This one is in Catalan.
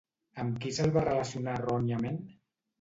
Amb qui se'l va relacionar erròniament?